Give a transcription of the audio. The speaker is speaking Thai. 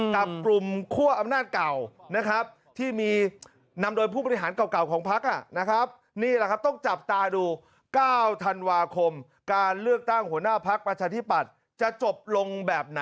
กับกลุ่มคั่วอำนาจเก่านะครับ